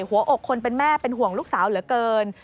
หัวอกคนเป็นแม่เป็นห่วงลูกสาวเหลือเกิน